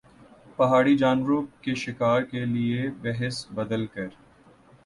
پہاڑی جانوروں کے شکار کے لئے بھیس بدل کر